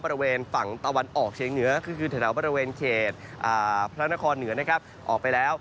พระนครเหนือนะครับออกไปแล้ว